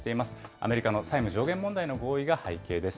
アメリカの債務上限問題の合意が背景です。